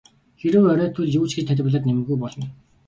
Хэрэв оройтвол юу ч гэж тайлбарлаад нэмэргүй болно.